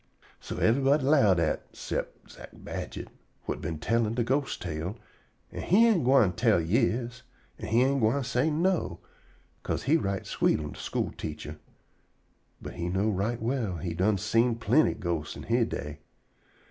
So yever'body 'low dat o cep' Zack Badget, whut been tellin' de ghost tale, an' he ain' gwine say "Yis" an' he ain' gwine say "No," 'ca'se he right sweet on de school teacher; but he know right well he done seen plinty ghostes in he day.